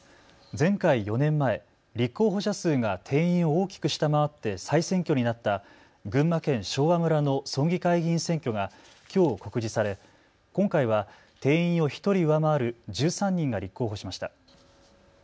前回・４年前、立候補者数が定員を大きく下回って再選挙になった群馬県昭和村の村議会議員選挙がきょう告示され今回は定員を１人上回る１３人が立候補しました。